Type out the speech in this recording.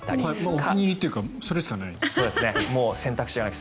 お気に入りというかそれしかない。